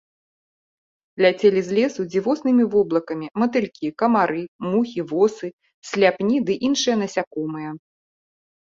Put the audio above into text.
Ляцелі з лесу дзівоснымі воблакамі матылькі, камары, мухі, восы, сляпні ды іншыя насякомыя.